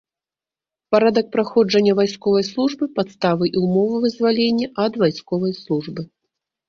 Парадак праходжання вайсковай службы, падставы і ўмовы вызвалення ад вайсковай службы.